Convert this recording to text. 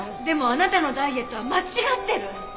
でもあなたのダイエットは間違ってる！